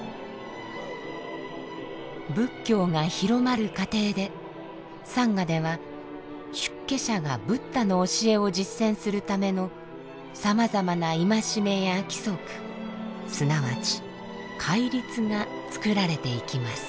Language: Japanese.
仏教が広まる過程でサンガでは出家者がブッダの教えを実践するためのさまざまな戒めや規則すなわち戒律がつくられていきます。